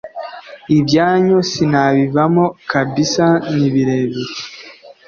ibyanyu sinabivamo kabisa ni birebire